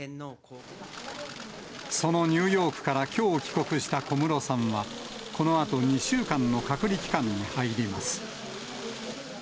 そのニューヨークからきょう帰国した小室さんは、このあと２週間の隔離期間に入ります。